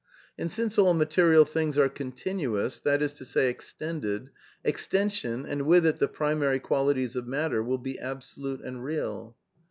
And since all material things are continuous, that is to say a extended, extension, and with it the primary qualities of U matter, will be absolute and real.